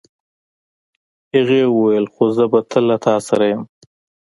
هغې وویل خو زه به تل له تا سره یم.